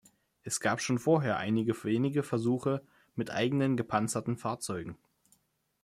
Es gab schon vorher einige wenige Versuche mit eigenen gepanzerten Fahrzeugen.